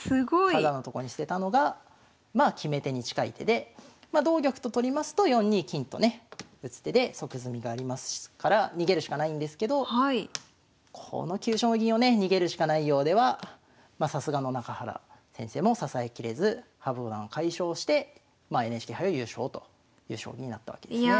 タダのとこに捨てたのがまあ決め手に近い手で同玉と取りますと４二金とね打つ手で即詰みがありますから逃げるしかないんですけどこの急所の銀をね逃げるしかないようではさすがの中原先生も支えきれず羽生五段快勝してＮＨＫ杯を優勝という将棋になったわけですね。